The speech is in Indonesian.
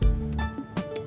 tidak bisa diandalkan